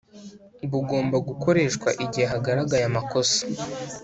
bugomba gukoreshwa igihe hagaragaye amakosa